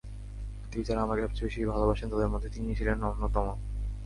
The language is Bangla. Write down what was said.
পৃথিবীর যাঁরা আমাকে সবচেয়ে বেশি ভালোবাসেন, তাঁদের মধ্যে তিনি ছিলেন অন্যতম।